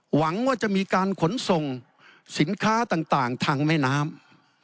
หวังว่าจะมีการขนส่งสินค้าต่างทางแม่น้ำ